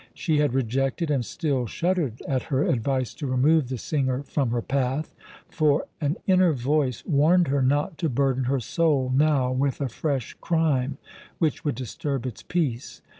She had rejected and still shuddered at her advice to remove the singer from her path; for an inner voice warned her not to burden her soul now with a fresh crime, which would disturb its peace.